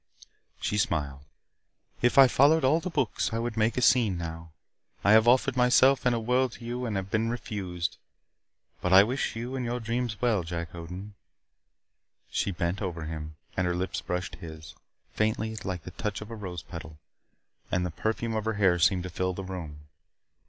She smiled. "If I followed all the books, I would make a scene now. I have offered myself and a world to you and have been refused. But I wish you and your dreams well, Jack Odin." She bent over him, and her lips brushed his. Faintly, like the touch of a rose petal, and the perfume of her hair seemed to fill the room.